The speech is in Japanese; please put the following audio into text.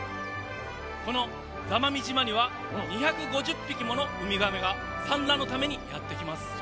この座間味島には２５０匹ものウミガメが産卵のためにやってきます。